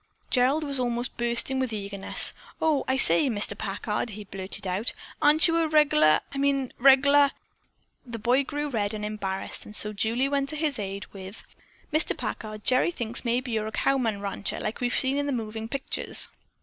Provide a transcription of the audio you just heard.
Gerald was almost bursting with eagerness. "Oh, I say, Mr. Packard," he blurted out, "aren't you a reg'lar er I mean a reg'lar " The boy grew red and embarrassed, and so Julie went to his aid with, "Mr. Packard, Gerry thinks maybe you're a cow man rancher like we've seen in the moving pictures."